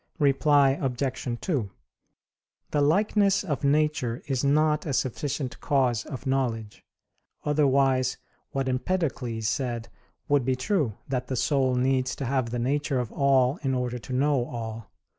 Reply Obj. 2: The likeness of nature is not a sufficient cause of knowledge; otherwise what Empedocles said would be true that the soul needs to have the nature of all in order to know all.